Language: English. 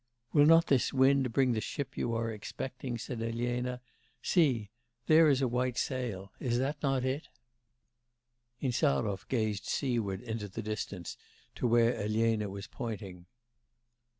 'Will not this wind bring the ship you are expecting?' said Elena. 'See, there is a white sail, is not that it?' Insarov gazed seaward into the distance to where Elena was pointing.